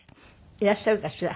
いらっしゃるかしら？